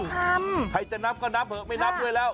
ใครจะนับก็นับเถอะไม่นับด้วยแล้ว